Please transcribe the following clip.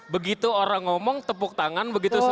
begitu orang ngomong tepuk tangan begitu